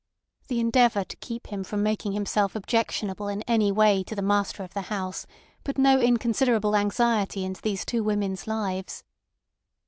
The endeavour to keep him from making himself objectionable in any way to the master of the house put no inconsiderable anxiety into these two women's lives.